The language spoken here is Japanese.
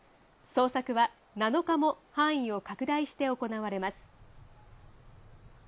捜索は７日も範囲を拡大して行われます。